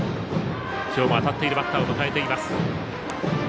きょうも当たっているバッターを迎えています。